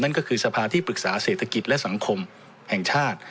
ก็คือสภาที่ปรึกษาเศรษฐกิจและสังคมแห่งชาติ